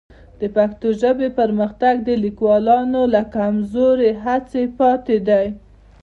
د پښتو ژبې پرمختګ د لیکوالانو له کمزورې هڅې پاتې دی.